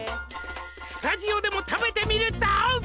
「スタジオでも食べてみると」